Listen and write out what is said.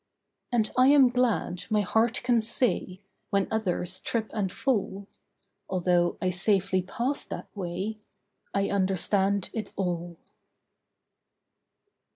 And I am glad my heart can say, When others trip and fall (Although I safely passed that way), 'I understand it all.